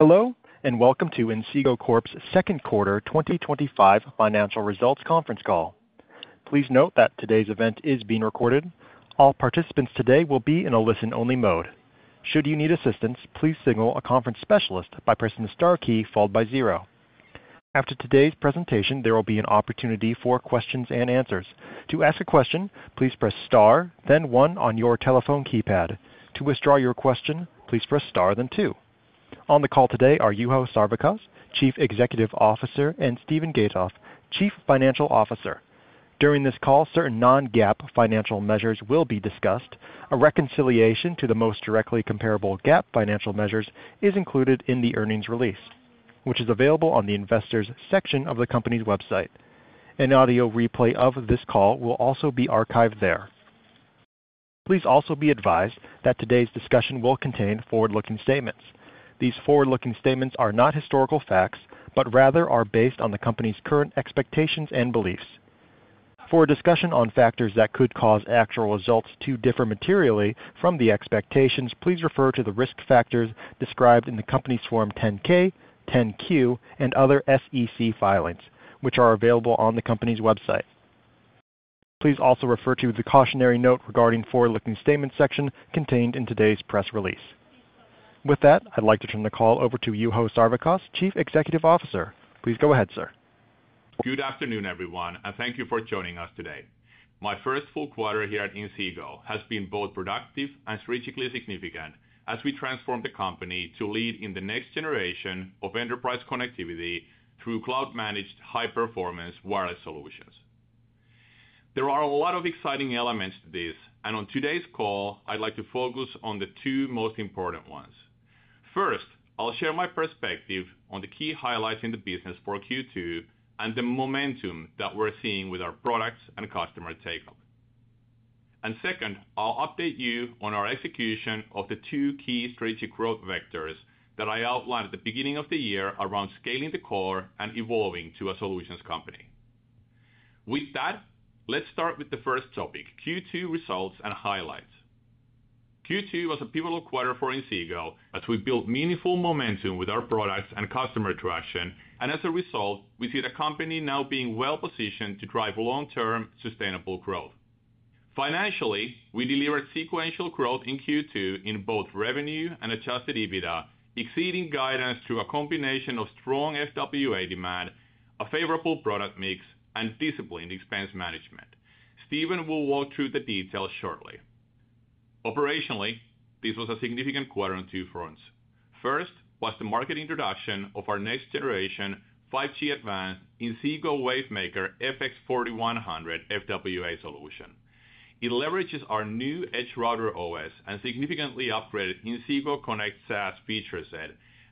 Hello, and welcome to Inseego Corp's Second Quarter 2025 Financial Results Conference Call. Please note that today's event is being recorded. All participants today will be in a listen-only mode. Should you need assistance, please signal a conference specialist by pressing the star key followed by zero. After today's presentation, there will be an opportunity for questions and answers. To ask a question, please press star, then one on your telephone keypad. To withdraw your question, please press star, then two. On the call today are Juho Sarvikas, Chief Executive Officer, and Steven Gatoff, Chief Financial Officer. During this call, certain non-GAAP financial measures will be discussed. A reconciliation to the most directly comparable GAAP financial measures is included in the earnings release, which is available on the Investors section of the company's website. An audio replay of this call will also be archived there. Please also be advised that today's discussion will contain forward-looking statements. These forward-looking statements are not historical facts, but rather are based on the company's current expectations and beliefs. For a discussion on factors that could cause actual results to differ materially from the expectations, please refer to the risk factors described in the company's Form 10-K, 10-Q, and other SEC filings, which are available on the company's website. Please also refer to the cautionary note regarding the forward-looking statements section contained in today's press release. With that, I'd like to turn the call over to Juho Sarvikas, Chief Executive Officer. Please go ahead, sir. Good afternoon, everyone, and thank you for joining us today. My first full quarter here at Inseego has been both productive and strategically significant as we transformed the company to lead in the next generation of enterprise connectivity through cloud-managed high-performance wireless solutions. There are a lot of exciting elements to this, and on today's call, I'd like to focus on the two most important ones. First, I'll share my perspective on the key highlights in the business for Q2 and the momentum that we're seeing with our products and customer take-home. Second, I'll update you on our execution of the two key strategic growth vectors that I outlined at the beginning of the year around scaling the core and evolving to a solutions company. With that, let's start with the first topic: Q2 results and highlights. Q2 was a pivotal quarter for Inseego as we built meaningful momentum with our products and customer traction, and as a result, we see the company now being well-positioned to drive long-term sustainable growth. Financially, we delivered sequential growth in Q2 in both revenue and adjusted EBITDA, exceeding guidance through a combination of strong FWA demand, a favorable product mix, and disciplined expense management. Steven will walk through the details shortly. Operationally, this was a significant quarter on two fronts. First was the market introduction of our next-generation 5G Advanced Inseego Wavemaker FX4100 FWA solution. It leverages our new Edge Router OS and significantly upgraded Inseego Connect SaaS feature set,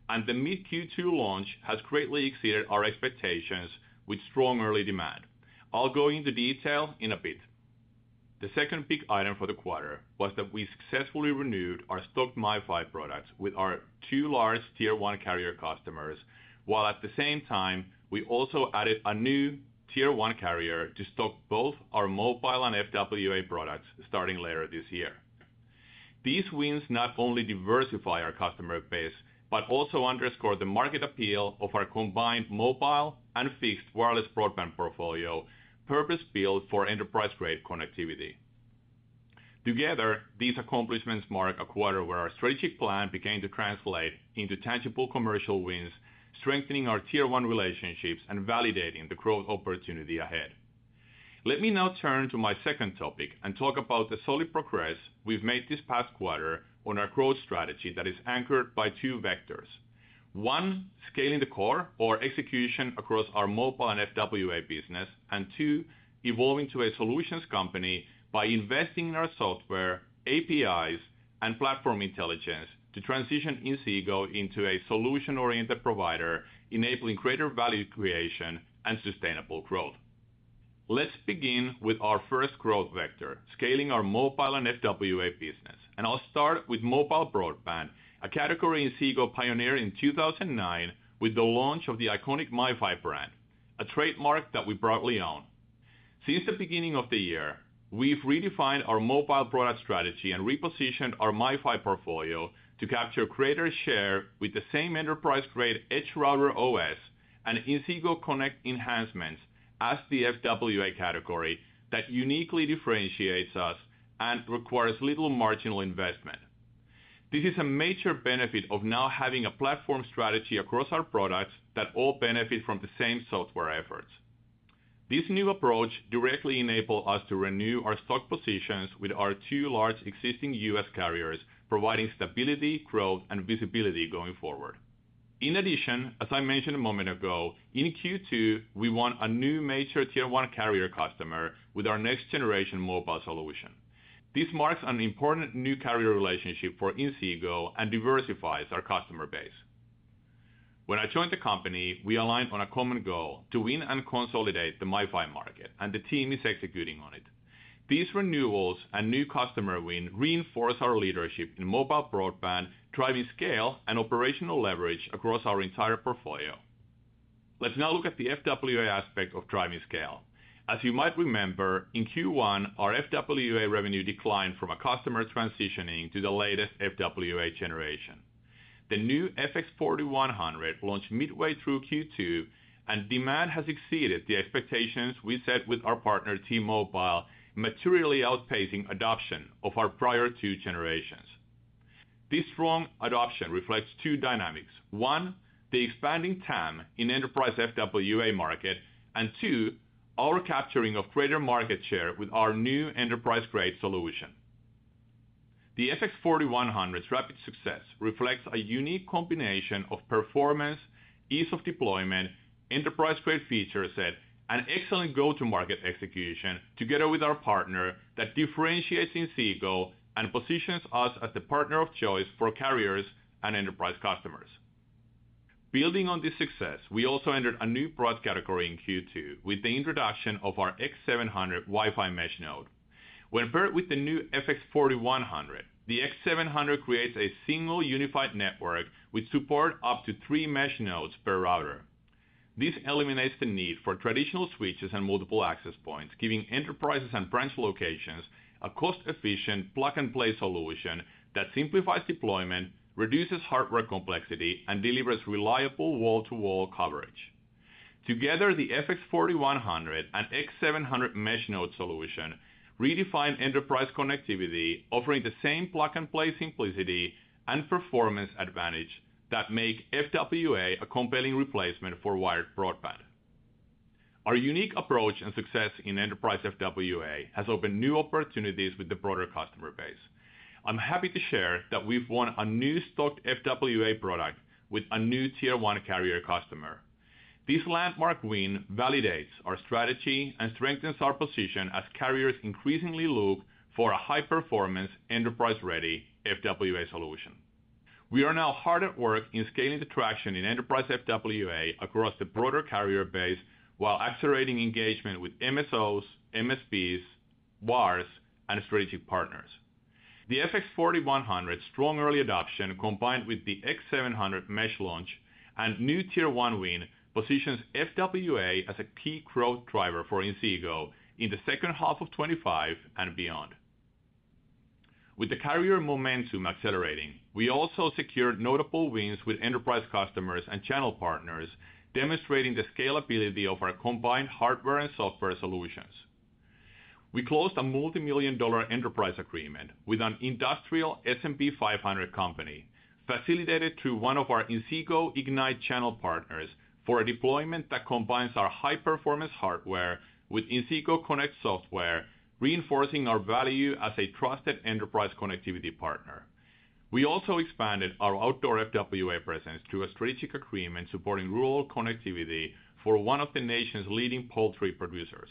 and the mid-Q2 launch has greatly exceeded our expectations with strong early demand. I'll go into detail in a bit. The second big item for the quarter was that we successfully renewed our stocked MiFi products with our two large Tier 1 carrier customers, while at the same time, we also added a new Tier 1 carrier to stock both our mobile and FWA products starting later this year. These wins not only diversify our customer base, but also underscore the market appeal of our combined mobile and fixed wireless broadband portfolio purpose-built for enterprise-grade connectivity. Together, these accomplishments mark a quarter where our strategic plan began to translate into tangible commercial wins, strengthening our Tier 1 relationships and validating the growth opportunity ahead. Let me now turn to my second topic and talk about the solid progress we've made this past quarter on our growth strategy that is anchored by two vectors: one, scaling the core or execution across our mobile and FWA business, and two, evolving to a solutions company by investing in our software, APIs, and platform intelligence to transition Inseego into a solution-oriented provider, enabling greater value creation and sustainable growth. Let's begin with our first growth vector: scaling our mobile and FWA business. I'll start with mobile broadband, a category Inseego pioneered in 2009 with the launch of the iconic MiFi brand, a trademark that we proudly own. Since the beginning of the year, we've redefined our mobile product strategy and repositioned our MiFi portfolio to capture greater share with the same enterprise-grade Edge Router OS and Inseego Connect enhancements as the FWA category that uniquely differentiates us and requires little marginal investment. This is a major benefit of now having a platform strategy across our products that all benefit from the same software efforts. This new approach directly enables us to renew our stock positions with our two large existing U.S. carriers, providing stability, growth, and visibility going forward. In addition, as I mentioned a moment ago, in Q2, we won a new major Tier 1 carrier customer with our next-generation mobile solution. This marks an important new carrier relationship for Inseego and diversifies our customer base. When I joined the company, we aligned on a common goal: to win and consolidate the MiFi market, and the team is executing on it. These renewals and new customer wins reinforce our leadership in mobile broadband, driving scale and operational leverage across our entire portfolio. Let's now look at the FWA aspect of driving scale. As you might remember, in Q1, our FWA revenue declined from a customer transitioning to the latest FWA generation. The new FX4100 launched midway through Q2, and demand has exceeded the expectations we set with our partner, T-Mobile, materially outpacing adoption of our prior two generations. This strong adoption reflects two dynamics: one, the expanding TAM in the enterprise FWA market, and two, our capturing of greater market share with our new enterprise-grade solution. The FX4100's rapid success reflects a unique combination of performance, ease of deployment, enterprise-grade feature set, and excellent go-to-market execution, together with our partner that differentiates Inseego and positions us as the partner of choice for carriers and enterprise customers. Building on this success, we also entered a new product category in Q2 with the introduction of our X700 WiFi mesh node. When paired with the new FX4100, the X700 creates a single unified network with support for up to three mesh nodes per router. This eliminates the need for traditional switches and multiple access points, giving enterprises and branch locations a cost-efficient plug-and-play solution that simplifies deployment, reduces hardware complexity, and delivers reliable wall-to-wall coverage. Together, the FX4100 and X700 mesh node solution redefine enterprise connectivity, offering the same plug-and-play simplicity and performance advantage that make FWA a compelling replacement for wired broadband. Our unique approach and success in enterprise FWA has opened new opportunities with the broader customer base. I'm happy to share that we've won a new stocked FWA product with a new Tier 1 carrier customer. This landmark win validates our strategy and strengthens our position as carriers increasingly look for a high-performance, enterprise-ready FWA solution. We are now hard at work in scaling the traction in enterprise FWA across the broader carrier base, while accelerating engagement with MSOs, MSPs, VARs, and strategic partners. The FX4100's strong early adoption, combined with the X700 mesh launch and new Tier 1 win, positions FWA as a key growth driver for Inseego in the second half of 2025 and beyond. With the carrier momentum accelerating, we also secured notable wins with enterprise customers and channel partners, demonstrating the scalability of our combined hardware and software solutions. We closed a multimillion-dollar enterprise agreement with an industrial S&P 500 company, facilitated through one of our Inseego Ignite channel partners for a deployment that combines our high-performance hardware with Inseego Connect software, reinforcing our value as a trusted enterprise connectivity partner. We also expanded our outdoor FWA presence through a strategic agreement supporting rural connectivity for one of the nation's leading poultry producers.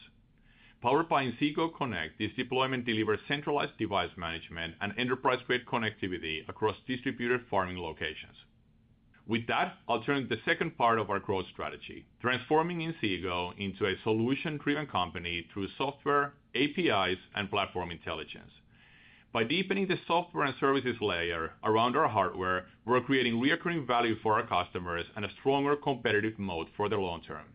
Powered by Inseego Connect, this deployment delivers centralized device management and enterprise-grade connectivity across distributed farming locations. With that, I'll turn to the second part of our growth strategy: transforming Inseego into a solution-driven company through software, APIs, and platform intelligence. By deepening the software and services layer around our hardware, we're creating recurring value for our customers and a stronger competitive moat for the long term.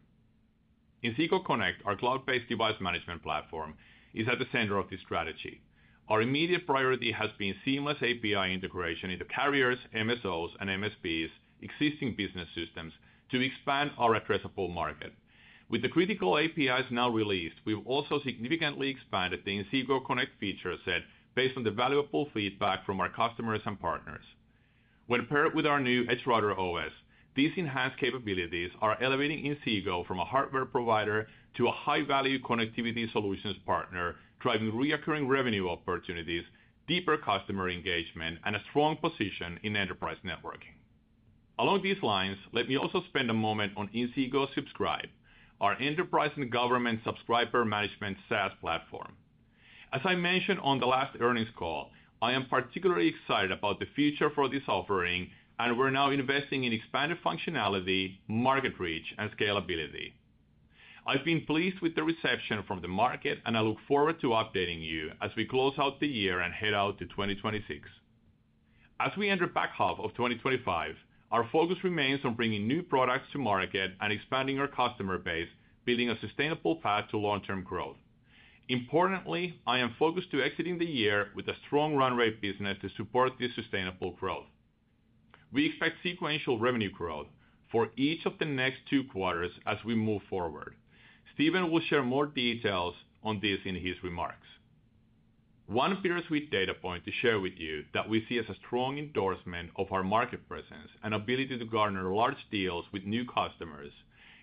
Inseego Connect, our cloud-based device management platform, is at the center of this strategy. Our immediate priority has been seamless API integration into carriers, MSOs, and MSPs' existing business systems to expand our addressable market. With the critical APIs now released, we've also significantly expanded the Inseego Connect feature set based on the valuable feedback from our customers and partners. When paired with our new Edge Router OS, these enhanced capabilities are elevating Inseego from a hardware provider to a high-value connectivity solutions partner, driving recurring revenue opportunities, deeper customer engagement, and a strong position in enterprise networking. Along these lines, let me also spend a moment on Inseego Subscribe, our enterprise and government subscriber management SaaS platform. As I mentioned on the last earnings call, I am particularly excited about the future for this offering, and we're now investing in expanded functionality, market reach, and scalability. I've been pleased with the reception from the market, and I look forward to updating you as we close out the year and head out to 2026. As we enter the back half of 2025, our focus remains on bringing new products to market and expanding our customer base, building a sustainable path to long-term growth. Importantly, I am focused on exiting the year with a strong run-rate business to support this sustainable growth. We expect sequential revenue growth for each of the next two quarters as we move forward. Steven will share more details on this in his remarks. One bittersweet data point to share with you that we see as a strong endorsement of our market presence and ability to garner large deals with new customers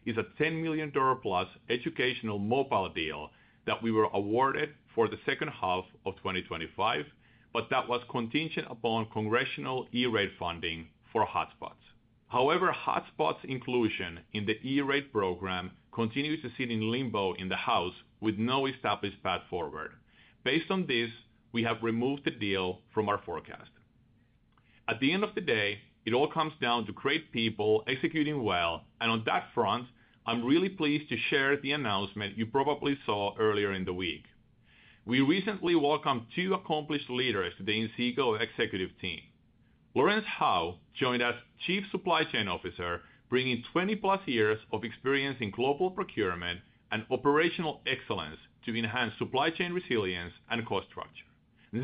is a $10 million-plus educational mobile deal that we were awarded for the second half of 2025, but that was contingent upon congressional eRate funding for hotspots. However, hotspots' inclusion in the eRate program continues to sit in limbo in the House with no established path forward. Based on this, we have removed the deal from our forecast. At the end of the day, it all comes down to great people executing well, and on that front, I'm really pleased to share the announcement you probably saw earlier in the week. We recently welcomed two accomplished leaders to the Inseego executive team. Lawrence Howe joined as Chief Supply Chain Officer, bringing 20-plus years of experience in global procurement and operational excellence to enhance supply chain resilience and cost structure.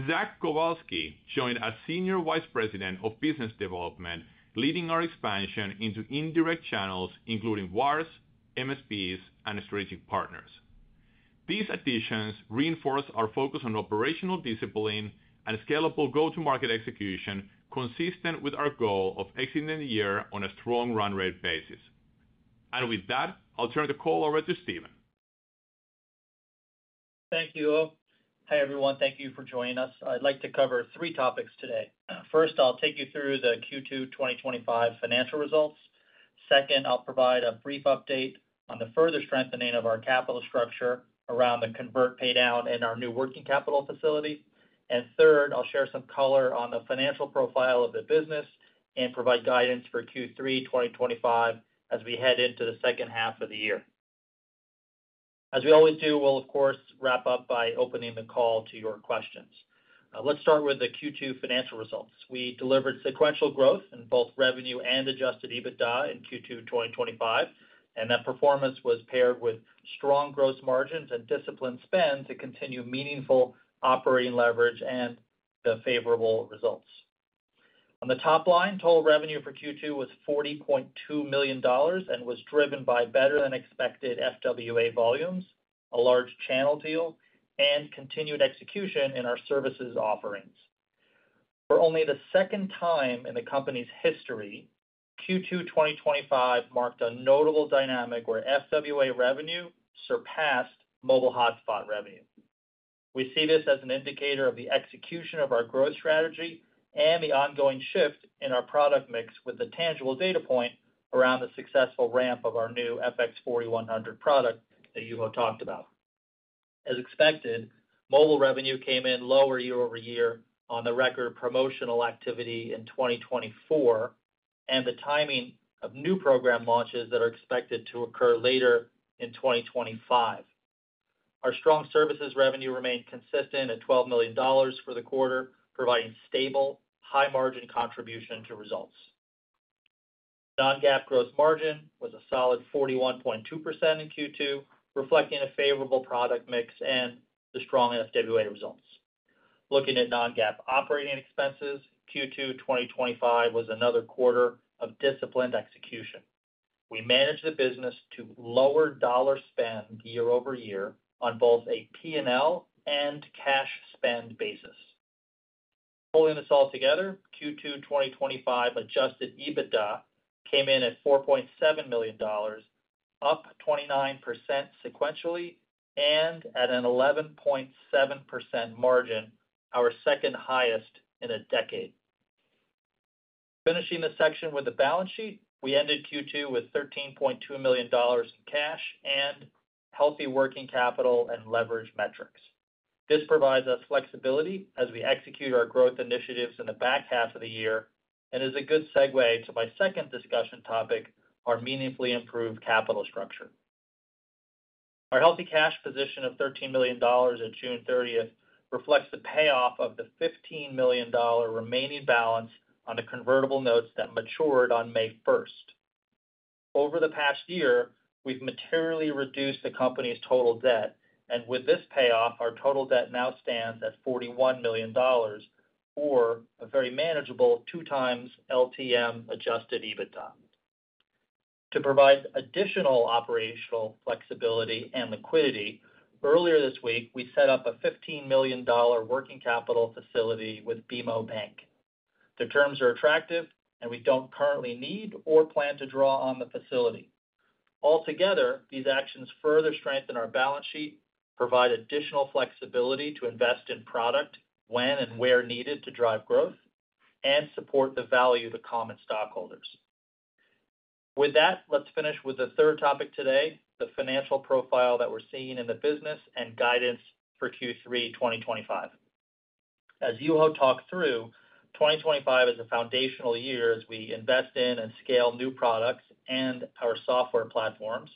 Zach Kowalski joined as Senior Vice President of Business Development, leading our expansion into indirect channels, including VARs, MSPs, and strategic partners. These additions reinforce our focus on operational discipline and scalable go-to-market execution, consistent with our goal of exiting the year on a strong run-rate basis. With that, I'll turn the call over to Steven. Thank you, Juho. Hi, everyone. Thank you for joining us. I'd like to cover three topics today. First, I'll take you through the Q2 2025 financial results. Second, I'll provide a brief update on the further strengthening of our capital structure around the convert pay down and our new working capital facility. Third, I'll share some color on the financial profile of the business and provide guidance for Q3 2025 as we head into the second half of the year. As we always do, we'll, of course, wrap up by opening the call to your questions. Let's start with the Q2 financial results. We delivered sequential growth in both revenue and adjusted EBITDA in Q2 2025, and that performance was paired with strong gross margins and disciplined spend to continue meaningful operating leverage and the favorable results. On the top line, total revenue for Q2 was $40.2 million and was driven by better-than-expected FWA volumes, a large channel deal, and continued execution in our services offerings. For only the second time in the company's history, Q2 2025 marked a notable dynamic where FWA revenue surpassed mobile hotspot revenue. We see this as an indicator of the execution of our growth strategy and the ongoing shift in our product mix with the tangible data point around the successful ramp of our new Inseego Wavemaker FX4100 product that Juho talked about. As expected, mobile revenue came in lower year-over-year on the record promotional activity in 2024 and the timing of new program launches that are expected to occur later in 2025. Our strong services revenue remained consistent at $12 million for the quarter, providing stable, high-margin contribution to results. Non-GAAP gross margin was a solid 41.2% in Q2, reflecting a favorable product mix and the strong FWA results. Looking at non-GAAP operating expenses, Q2 2025 was another quarter of disciplined execution. We managed the business to lower dollar spend year-over-year on both a P&L and cash spend basis. Pulling this all together, Q2 2025 adjusted EBITDA came in at $4.7 million, up 29% sequentially, and at an 11.7% margin, our second highest in a decade. Finishing the section with the balance sheet, we ended Q2 with $13.2 million in cash and healthy working capital and leverage metrics. This provides us flexibility as we execute our growth initiatives in the back half of the year and is a good segue into my second discussion topic: our meaningfully improved capital structure. Our healthy cash position of $13 million at June 30 reflects the payoff of the $15 million remaining balance on the convertible notes that matured on May 1. Over the past year, we've materially reduced the company's total debt, and with this payoff, our total debt now stands at $41 million, or a very manageable two-times LTM adjusted EBITDA. To provide additional operational flexibility and liquidity, earlier this week, we set up a $15 million working capital facility with BMO Bank. The terms are attractive, and we don't currently need or plan to draw on the facility. Altogether, these actions further strengthen our balance sheet, provide additional flexibility to invest in product when and where needed to drive growth, and support the value to common stockholders. With that, let's finish with the third topic today: the financial profile that we're seeing in the business and guidance for Q3 2025. As Juho talked through, 2025 is a foundational year as we invest in and scale new products and our software platforms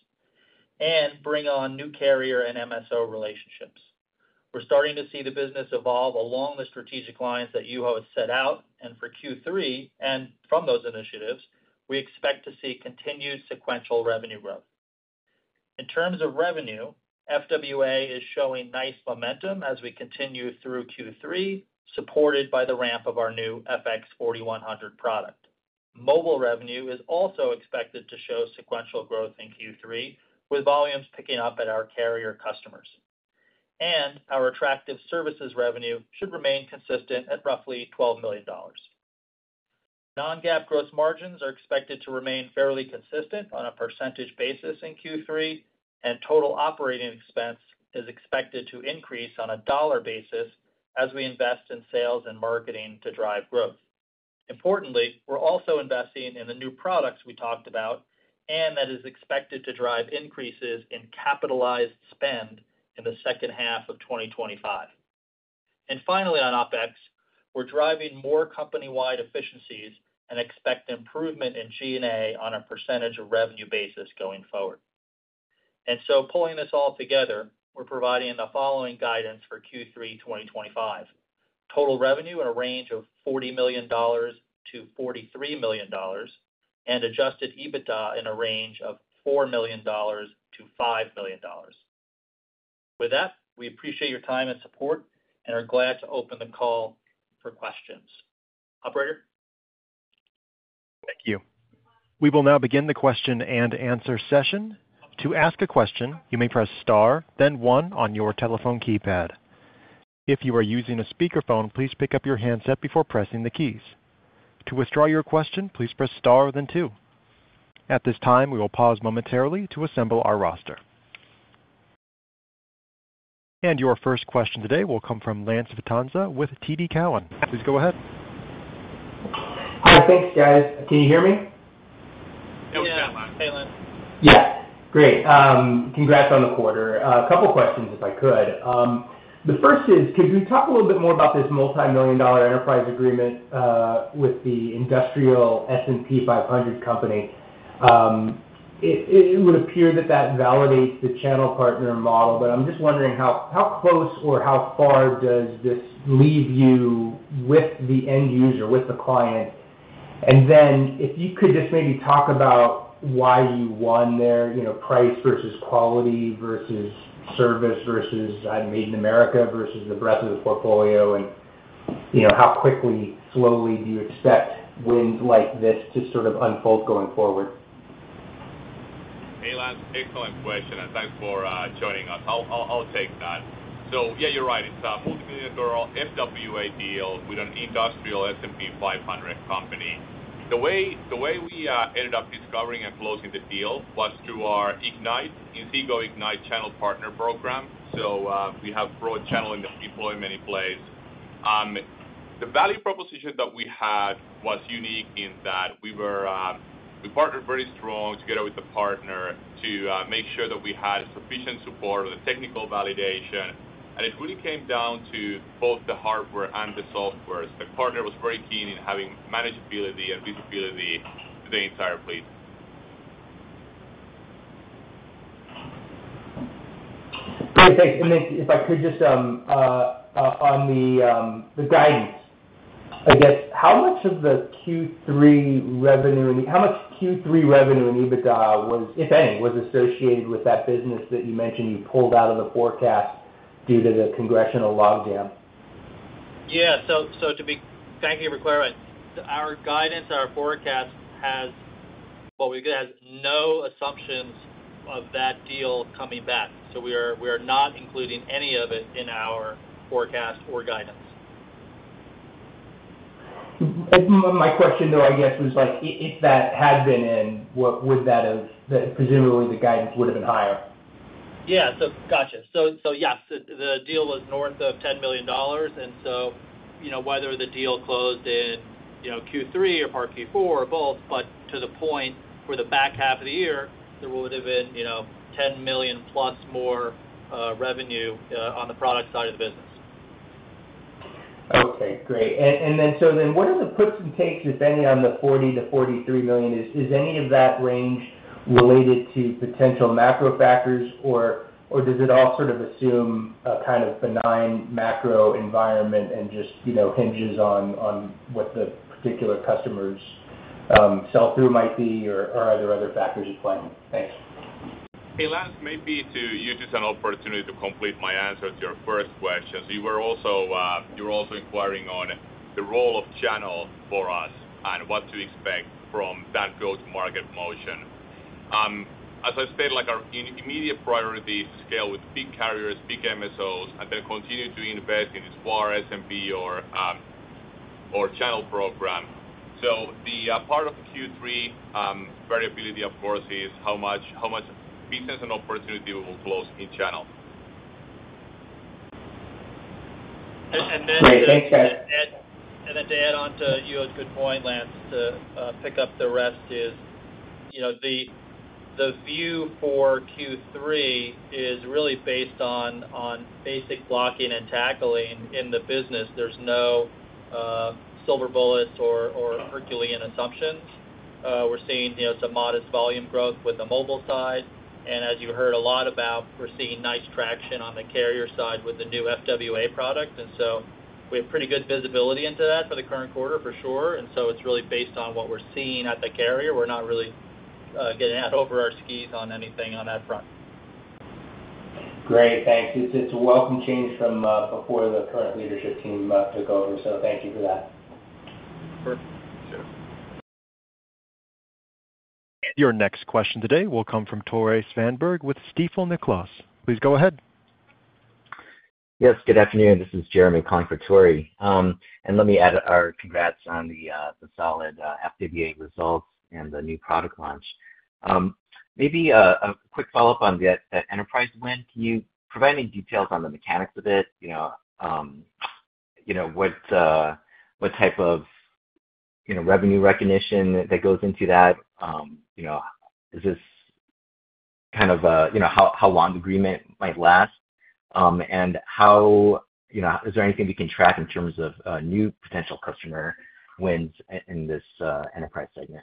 and bring on new carrier and MSO relationships. We're starting to see the business evolve along the strategic lines that Juho has set out, and for Q3 and from those initiatives, we expect to see continued sequential revenue growth. In terms of revenue, FWA is showing nice momentum as we continue through Q3, supported by the ramp of our new FX4100 product. Mobile revenue is also expected to show sequential growth in Q3, with volumes picking up at our carrier customers. Our attractive services revenue should remain consistent at roughly $12 million. Non-GAAP gross margins are expected to remain fairly consistent on a percentage basis in Q3, and total operating expense is expected to increase on a dollar basis as we invest in sales and marketing to drive growth. Importantly, we're also investing in the new products we talked about, and that is expected to drive increases in capitalized spend in the second half of 2025. On OpEx, we're driving more company-wide efficiencies and expect improvement in G&A on a percentage of revenue basis going forward. Pulling this all together, we're providing the following guidance for Q3 2025: total revenue in a range of $40 million-$43 million, and adjusted EBITDA in a range of $4 million-$5 million. With that, we appreciate your time and support and are glad to open the call for questions. Operator? Thank you. We will now begin the question-and-answer session. To ask a question, you may press star, then one on your telephone keypad. If you are using a speakerphone, please pick up your handset before pressing the keys. To withdraw your question, please press star, then two. At this time, we will pause momentarily to assemble our roster. Your first question today will come from Lance Vitanza with TD Cowen. Please go ahead. Hi, thanks, Scott. Can you hear me? Yeah, I'm on. Yeah, great. Congrats on the quarter. A couple of questions, if I could. The first is, could you talk a little bit more about this multimillion-dollar enterprise agreement with the industrial S&P 500 company? It would appear that that validates the channel partner model, but I'm just wondering how close or how far does this leave you with the end user, with the client? If you could just maybe talk about why you won there, you know, price versus quality versus service versus I'm Made in America versus the breadth of the portfolio, and you know, how quickly, slowly do you expect wins like this to sort of unfold going forward? Hey, Lance. Excellent question. Thanks for joining us. I'll take that. You're right. It's a multimillion-dollar FWA deal with an industrial S&P 500 company. The way we ended up discovering and closing the deal was through our Inseego Ignite channel partner program. We have broad channeling that we deploy in many places. The value proposition that we had was unique in that we partnered very strongly together with the partner to make sure that we had sufficient support and the technical validation. It really came down to both the hardware and the software. The partner was very keen in having manageability and visibility to the entire fleet. Hi, thanks. If I could just, on the guidance, I guess, how much of the Q3 revenue and how much Q3 revenue and EBITDA was, if any, associated with that business that you mentioned you pulled out of the forecast due to the congressional lockdown? Thank you for clarifying. Our guidance and our forecast has what we could have no assumptions of that deal coming back. We are not including any of it in our forecast or guidance. My question, though, I guess, was like, if that had been in, what would that have, presumably, the guidance would have been higher? Gotcha. Yes, the deal was north of $10 million. Whether the deal closed in Q3 or part Q4 or both, to the point for the back half of the year, there would have been $10 million+ more revenue on the product side of the business. Great. What are the puts and takes, if any, on the $40 million-$43 million? Is any of that range related to potential macro factors, or does it all sort of assume a kind of benign macro environment and just hinges on what the particular customers' sell-through might be, or are there other factors you play in? Hey, Lance, maybe to use this as an opportunity to complete my answer to your first question. You were also inquiring on the role of channel for us and what to expect from that go-to-market motion. As I said, our immediate priority is to scale with big carriers, big MSOs, and then continue to invest in this VAR, S&P, or channel program. The part of Q3 variability, of course, is how much business and opportunity we will close each channel. To add on to a good point, Lance, to pick up the rest, the view for Q3 is really based on basic blocking and tackling in the business. There are no silver bullets or Herculean assumptions. We're seeing some modest volume growth with the mobile side. As you heard a lot about, we're seeing nice traction on the carrier side with the new FWA product. We have pretty good visibility into that for the current quarter, for sure. It's really based on what we're seeing at the carrier. We're not really getting out over our skis on anything on that front. Great, thanks. It's a welcome change from before the current leadership team took over. Thank you for that. Sure. Your next question today will come from Tory Svandberg with Stifel Nicolaus. Please go ahead. Yes, good afternoon. This is Jeremy Kwan for Tory. Let me add our congrats on the solid FWA results and the new product launch. Maybe a quick follow-up on the enterprise win. Can you provide any details on the mechanics of it? What type of revenue recognition goes into that? Is this kind of, how long the agreement might last? Is there anything we can track in terms of new potential customer wins in this enterprise segment?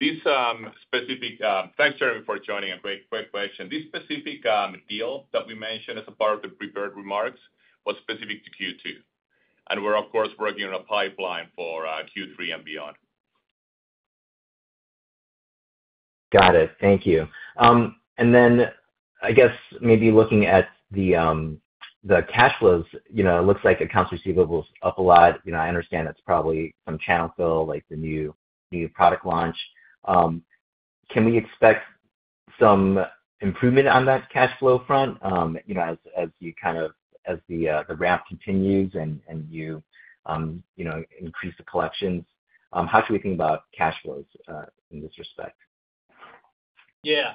Thanks, Jeremy, for joining. A quick question. This specific deal that we mentioned as a part of the prepared remarks was specific to Q2. We're, of course, working on a pipeline for Q3 and beyond. Got it. Thank you. I guess, maybe looking at the cash flows, it looks like accounts receivable is up a lot. I understand it's probably from channel fill, like the new product launch. Can we expect some improvement on that cash flow front? As the ramp continues and you increase the collections, how should we think about cash flows in this respect? Yeah,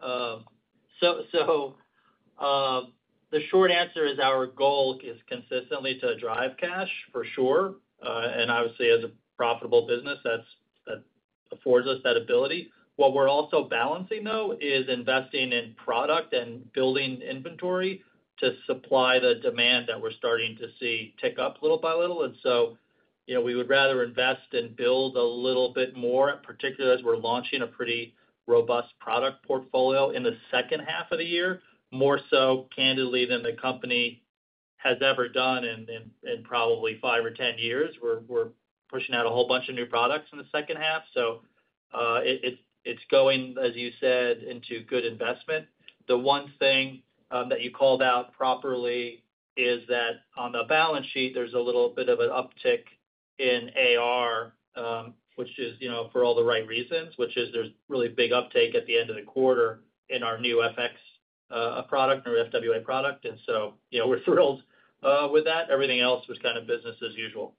sure. The short answer is our goal is consistently to drive cash, for sure. Obviously, as a profitable business, that affords us that ability. What we're also balancing is investing in product and building inventory to supply the demand that we're starting to see tick up little by little. We would rather invest and build a little bit more, particularly as we're launching a pretty robust product portfolio in the second half of the year, more so candidly than the company has ever done in probably five or ten years. We're pushing out a whole bunch of new products in the second half. It's going, as you said, into good investment. The one thing that you called out properly is that on the balance sheet, there's a little bit of an uptick in AR, which is, for all the right reasons, there's really big uptake at the end of the quarter in our new FX product and FWA product. We're thrilled with that. Everything else was kind of business as usual.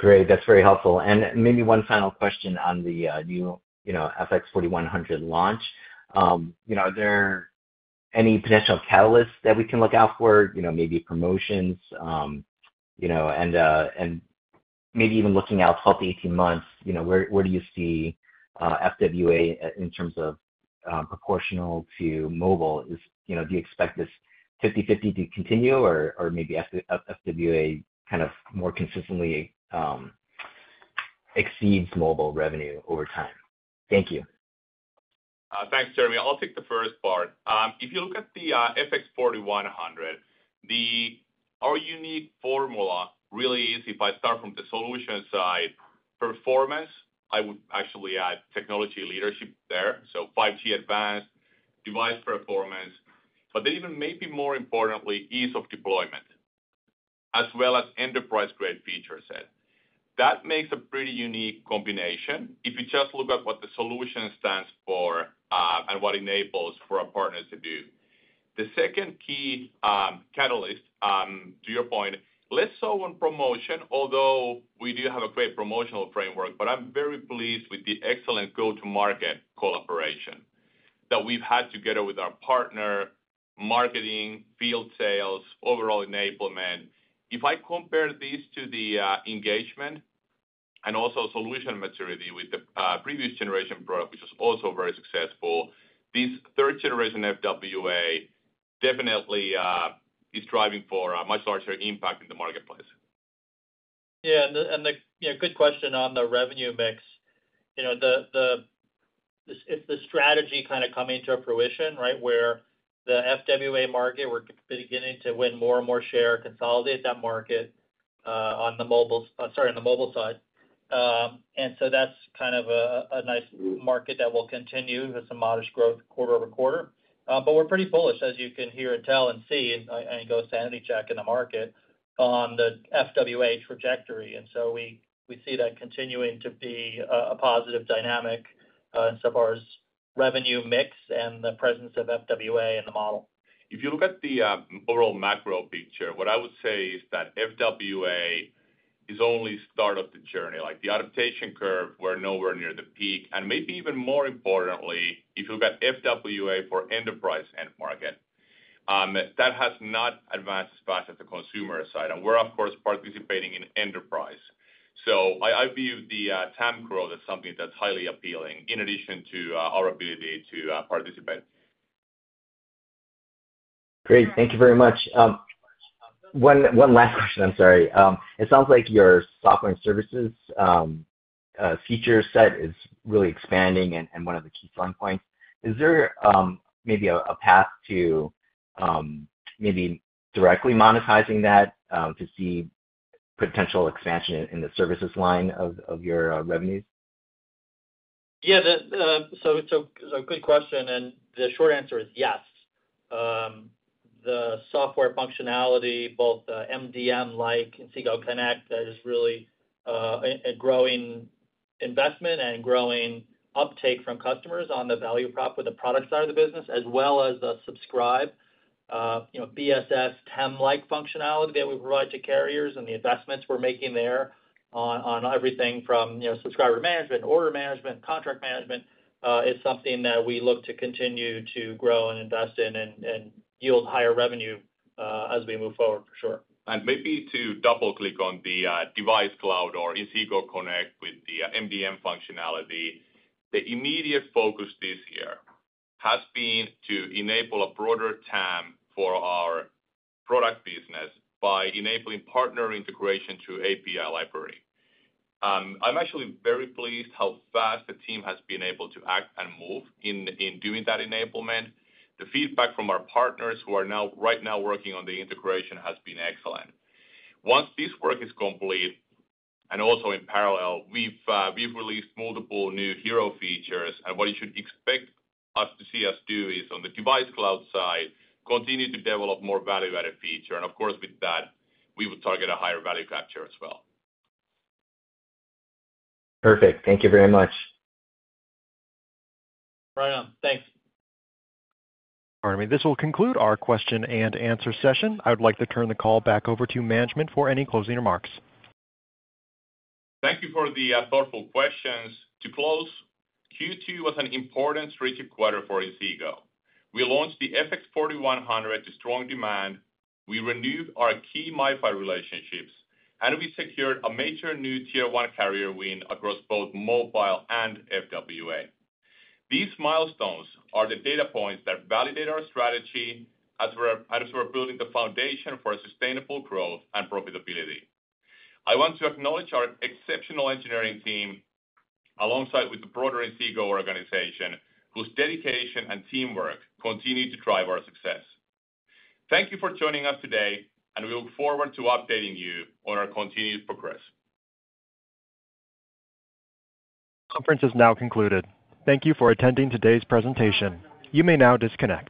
Great. That's very helpful. Maybe one final question on the new Inseego Wavemaker FX4100 launch. Are there any potential catalysts that we can look out for? Maybe promotions, and maybe even looking out 12 months-18 months, where do you see FWA in terms of proportional to mobile? Do you expect this 50/50 to continue or maybe FWA kind of more consistently exceeds mobile revenue over time? Thank you. Thanks, Jeremy. I'll take the first part. If you look at the Inseego Wavemaker FX4100, our unique formula really is, if I start from the solution side, performance, I would actually add technology leadership there. So, 5G Advanced, device performance, but then even maybe more importantly, ease of deployment, as well as enterprise-grade feature set. That makes a pretty unique combination if you just look at what the solution stands for and what it enables for our partners to do. The second key catalyst, to your point, less so on promotion, although we do have a great promotional framework, but I'm very pleased with the excellent go-to-market collaboration that we've had together with our partner, marketing, field sales, overall enablement. If I compare this to the engagement and also solution maturity with the previous generation product, which was also very successful, this third-generation FWA definitely is driving for a much larger impact in the marketplace. Yeah, good question on the revenue mix. You know, if the strategy kind of comes into fruition, right, where the FWA market, we're beginning to win more and more share, consolidate that market on the mobile side. That's kind of a nice market that will continue with some modest growth quarter over quarter. We're pretty bullish, as you can hear and tell and see, and go sanity check in the market on the FWA trajectory. We see that continuing to be a positive dynamic as far as revenue mix and the presence of FWA in the model. If you look at the overall macro picture, what I would say is that FWA is only the start of the journey. The adaptation curve, we're nowhere near the peak. Maybe even more importantly, if you look at FWA for enterprise end market, that has not advanced as fast as the consumer side. We're, of course, participating in enterprise. I view the TAM growth as something that's highly appealing in addition to our ability to participate. Great. Thank you very much. One last question, I'm sorry. It sounds like your software and services feature set is really expanding and one of the key focal points. Is there maybe a path to maybe directly monetizing that to see potential expansion in the services line of your revenue? It's a good question. The short answer is yes. The software functionality, both MDM-like Inseego Connect, is really a growing investment and growing uptake from customers on the value prop with the product side of the business, as well as the subscribe, you know, BSS, TAM-like functionality that we provide to carriers and the investments we're making there on everything from, you know, subscriber management, order management, contract management, is something that we look to continue to grow and invest in and yield higher revenue as we move forward, for sure. To double-click on the device cloud or Inseego Connect with the MDM functionality, the immediate focus this year has been to enable a broader TAM for our product business by enabling partner integration through API library. I'm actually very pleased how fast the team has been able to act and move in doing that enablement. The feedback from our partners who are now right now working on the integration has been excellent. Once this work is complete, and also in parallel, we've released multiple new hero features. What you should expect to see us do is on the device cloud side, continue to develop more value-added features. Of course, with that, we would target a higher value capture as well. Perfect. Thank you very much. Right on. Thanks. This will conclude our question-and-answer session. I would like to turn the call back over to management for any closing remarks. Thank you for the thoughtful questions. To close, Q2 was an important strategic quarter for Inseego. We launched the Inseego Wavemaker FX4100 to strong demand, we renewed our key MiFi relationships, and we secured a major new Tier 1 carrier win across both mobile and FWA. These milestones are the data points that validate our strategy as we're building the foundation for sustainable growth and profitability. I want to acknowledge our exceptional engineering team along with the broader Inseego organization, whose dedication and teamwork continue to drive our success. Thank you for joining us today, and we look forward to updating you on our continued progress. Conference is now concluded. Thank you for attending today's presentation. You may now disconnect.